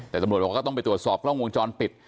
แต่ตำรวจบอกว่าก็ต้องไปตรวจสอบกล้องวงจรปิด